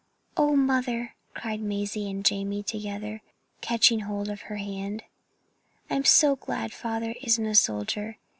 "Oh, mother!" cried Mazie and Jamie together, catching hold of her hand, "I'm so glad father isn't a soldier.